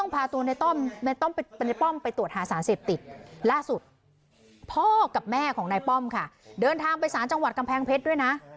พ่อกับแม่ของนายป้อมค่ะเดินทางไปศาลจังหวัดกำแพงเพชรด้วยนะ